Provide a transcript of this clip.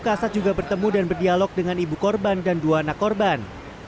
kasat juga bertemu dan berdialog dengan ibu korban dan dua anak korban